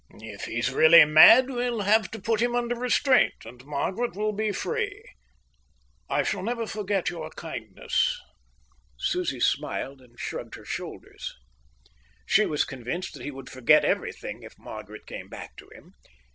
If he's really mad, we'll have to put him under restraint, and Margaret will be free. I shall never forget your kindness." Susie smiled and shrugged her shoulders. She was convinced that he would forget everything if Margaret came back to him.